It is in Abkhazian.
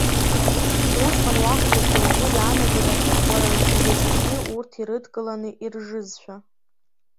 Усҟан уакәзаргьы угәы иаанагарын, уара угәаҵәагьы урҭ ирыдкыланы иржызшәа.